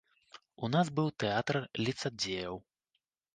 У нас быў тэатр ліцадзеяў.